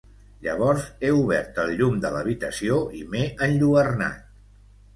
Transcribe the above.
Llavors he obert el llum de l'habitació i m'he enlluernat.